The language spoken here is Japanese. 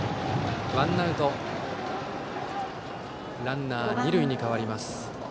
ワンアウトランナー、二塁に変わります。